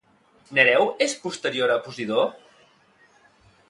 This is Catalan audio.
Nereu és posterior a Posidó?